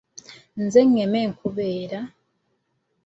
Nze ngema enkuba era.